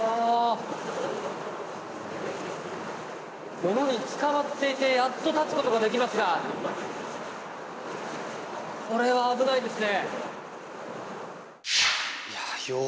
物につかまっていてやっと立つことができますがこれは危ないですね。